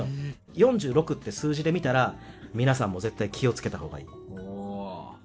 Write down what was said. ４６って数字で見たら皆さんも絶対気をつけた方がいい。